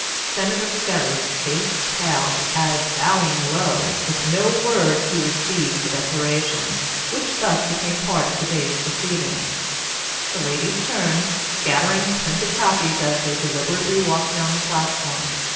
Senator Ferry's face paled as, bowing low, with no word he received the Declaration, which thus became part of the day's proceedings. The ladies turned, scattering printed copies as they deliberately walked down the platform.